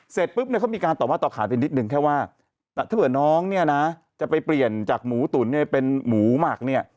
เสร็จปุ๊บก็มีการตอบว่าต่อขาดเป็นนิดนึงแค่ว่าถ้าเผื่อน้องจะไปเปลี่ยนจากหมูตุ๋นเป็นหมูหมัก